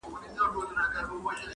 • لر او بر افغانان راټول سوي دي -